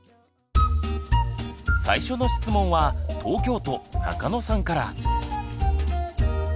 最初の質問は東京都中野さんから。